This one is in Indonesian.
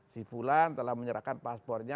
si fulan telah menyerahkan paspornya